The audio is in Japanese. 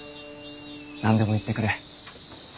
何でも言ってくれ。